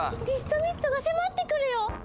ディストミストが迫ってくるよ！